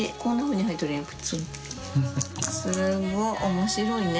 面白いね。